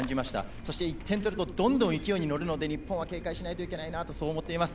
そして１点を取るとどんどん勢いに乗るので日本は警戒しなきゃいけないなと思っています。